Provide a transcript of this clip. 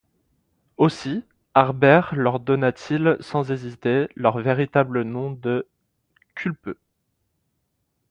Aussi, Harbert leur donna-t-il, sans hésiter, leur véritable nom de « culpeux ».